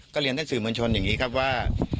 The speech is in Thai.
เรียนท่านสื่อมวลชนอย่างนี้ครับว่า